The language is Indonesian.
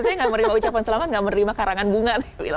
saya gak merima ucapan selamat gak menerima karangan bunga